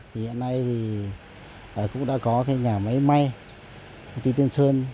hiện nay cũng đã có nhà máy may công ty tiên sơn